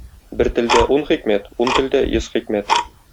Бер телдә ун хикмәт, ун телдә йөз хикмәт.